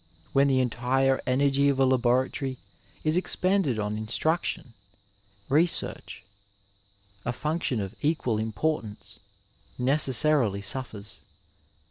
When the entire energy of a laboratory is expended on instruction, research, a function of equal importance, necessarily suffers.